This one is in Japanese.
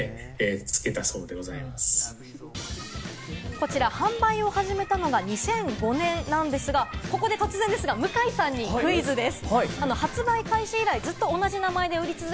こちら販売を始めたのは２００５年なんですが、ここで突然ですが、向井さんにクイズです。